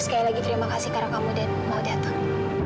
sekali lagi terima kasih karena kamu mau datang